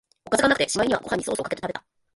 おかずがなくて、しまいにはご飯にソースかけて食べた